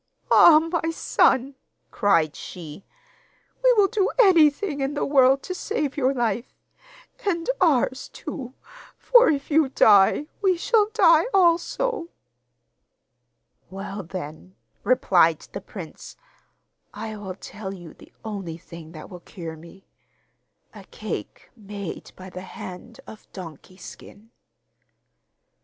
'Ah! my son,' cried she, 'we will do anything in the world to save your life and ours too, for if you die, we shall die also.' 'Well, then,' replied the prince, 'I will tell you the only thing that will cure me a cake made by the hand of "Donkey Skin."